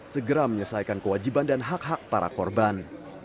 segera menyelesaikan kewajiban dan hak hak para korban